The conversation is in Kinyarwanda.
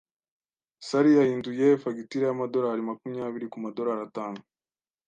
Sally yahinduye fagitire y'amadolari makumyabiri ku madolari atanu.